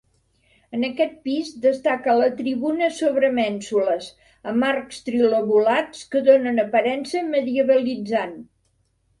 En aquest pis destaca la tribuna sobre mènsules, amb arcs trilobulats que donen aparença medievalitzant.